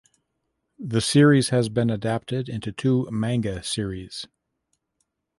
The series has been adapted into two manga series.